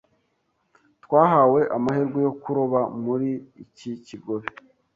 Twahawe amahirwe yo kuroba muri iki kigobe.